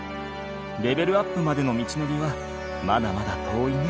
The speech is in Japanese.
レベルアップまでの道のりはまだまだ遠いね。